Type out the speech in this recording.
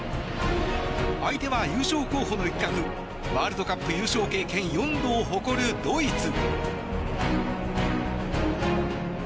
相手は優勝候補の一角ワールドカップ優勝経験４度を誇るドイツ。